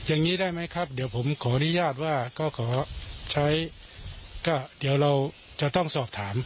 อย่างนี้ได้ไหมครับเดี๋ยวผมขออนุญาตว่าก็ขอใช้ก็เดี๋ยวเราจะต้องสอบถาม